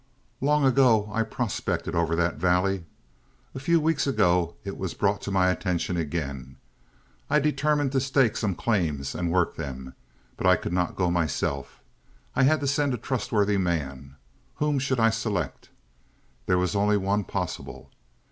"Long ago I prospected over that valley; a few weeks ago it was brought to my attention again. I determined to stake some claims and work them. But I could not go myself. I had to send a trustworthy man. Whom should I select? There was only one possible.